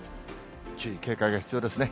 注意、警戒が必要ですね。